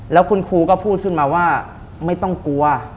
แล้วคุณครูก็พูดขึ้นมาว่าไม่ต้องกลัว